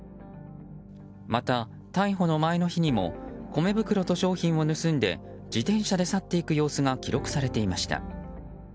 また、逮捕の前の日にも米袋と商品を盗んで自転車で去っていく様子が記録されていました。